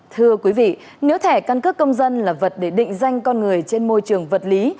thưa quý vị nếu thẻ căn cước công dân là vật để định danh con người trên môi trường vật lý